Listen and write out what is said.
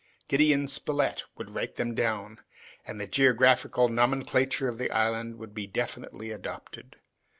Gideon Spilett would write them down, and the geographical nomenclature of the island would be definitely adopted.